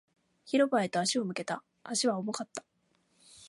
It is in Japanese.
広場へと足を向けた。足は重かった。